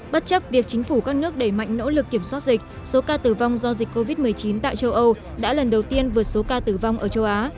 bất chấp việc chính phủ các nước đẩy mạnh nỗ lực kiểm soát dịch số ca tử vong do dịch covid một mươi chín tại châu âu đã lần đầu tiên vượt số ca tử vong ở châu á